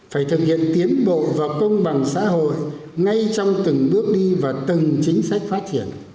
phải thực hiện tiến bộ và công bằng xã hội ngay trong từng bước đi và từng chính sách phát triển